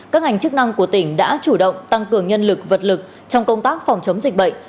các ngành chức năng của tỉnh đã chủ động tăng cường nhân lực vật lực trong công tác phòng chống dịch bệnh